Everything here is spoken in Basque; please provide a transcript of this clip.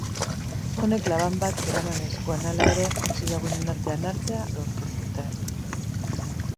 Honek labain bat zeraman eskuan, hala ere bizilagunen artean hartzea lortu zuten.